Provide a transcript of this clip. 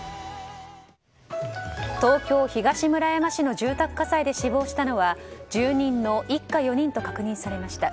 東京・東村山市の住宅火災で死亡したのは住人の一家４人と確認されました。